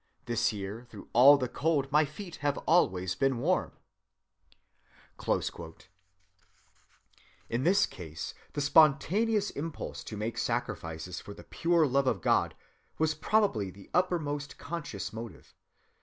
'This year, through all the cold, my feet have always been warm.' "(178) In this case the spontaneous impulse to make sacrifices for the pure love of God was probably the uppermost conscious motive.